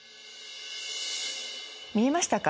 見えましたか？